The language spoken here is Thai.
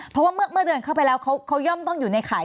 เพราะว่าเมื่อเดินเข้าไปแล้วเขาย่อมต้องอยู่ในข่าย